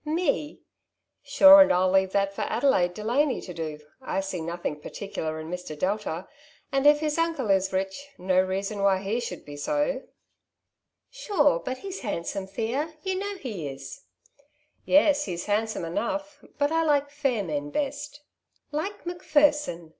'' Me ? Sure and I'll leave that for Adelaide Delany to do. I see nothing particular in Mr. Delta ; and if his uncle is rich, no reason why he should be 30." I Boarding House Experiences. 49 '^ Sure, but lie's handsome, Thea — you know he is/' '' Yes— he's handsome enough, but I like fair men best/' '^ Like Macpherson